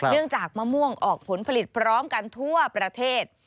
จากมะม่วงออกผลผลิตพร้อมกันทั่วประเทศ